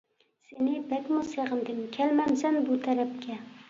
سېنى بەكمۇ سېغىندىم، كەلمەمسەن بۇ تەرەپكە.